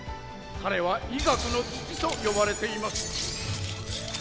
彼は医学の父と呼ばれています。